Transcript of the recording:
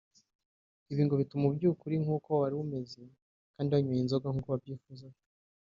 Ibi ngo bituma ubyuka uri nk’uko wari umeze kandi wanyweye inzoga nk’uko wabyifuzaga